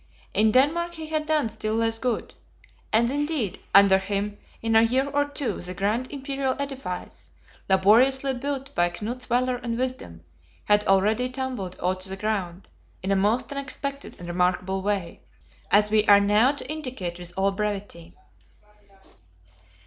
In Denmark he had done still less good. And indeed, under him, in a year or two, the grand imperial edifice, laboriously built by Knut's valor and wisdom, had already tumbled all to the ground, in a most unexpected and remarkable way. As we are now to indicate with all brevity.